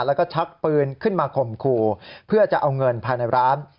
แล้วก็ชักปืนขึ้นมาข่มขู่เพื่อจะเอาเงินภายในร้าน